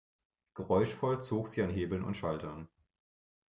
Geräuschvoll zog sie an Hebeln und Schaltern.